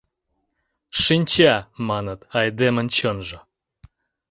Шинча, маныт, айдемын чонжо.